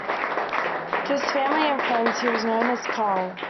To his family and friends, he was known as "Carol".